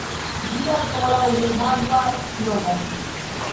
Ĝi ankoraŭ ne havas nomon.